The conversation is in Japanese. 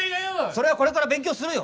それはこれから勉強するよ！